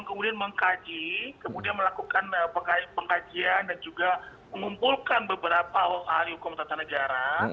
kemudian melakukan pengkajian dan juga mengumpulkan beberapa ahli hukum tentara negara